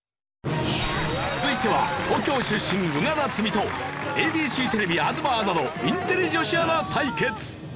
続いては東京出身宇賀なつみとＡＢＣテレビ東アナのインテリ女子アナ対決。